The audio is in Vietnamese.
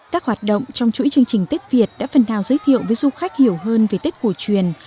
các hoạt động trong chuỗi chương trình tết việt đã phần nào giới thiệu với du khách hiểu hơn về tết cổ truyền